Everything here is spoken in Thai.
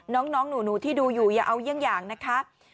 น้องหนูที่ดูอยู่อย่าเอายังนะครับ